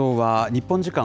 日本時間